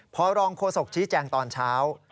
พอรองโฆษกชี้แจงตอนเช้า